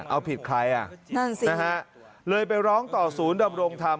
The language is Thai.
เอาผิดใครอ่ะนั่นสินะฮะเลยไปร้องต่อศูนย์ดำรงธรรม